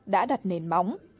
đã đặt nền móng